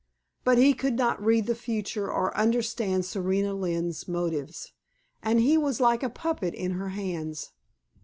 But he could not read the future or understand Serena Lynne's motives, and he was like a puppet in her hands.